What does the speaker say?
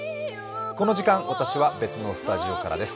この時間、私は別のスタジオからです。